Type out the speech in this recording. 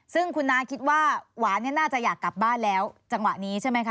ซึ่งคุณน้าคิดว่าหวานเนี่ยน่าจะอยากกลับบ้านแล้วจังหวะนี้ใช่ไหมคะ